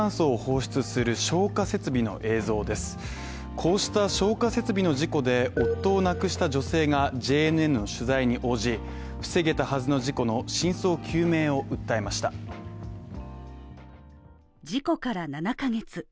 こうした消火設備の事故で夫を亡くした女性が、ＪＮＮの取材に応じ防げたはずの事故の真相究明を訴えました事故から７ヶ月。